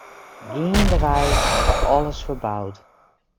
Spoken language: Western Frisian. Geandewei ha we alles ferboud.